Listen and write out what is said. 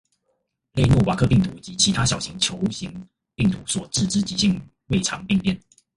類諾瓦克病毒及其他小型球型病毒所致之急性胃腸病變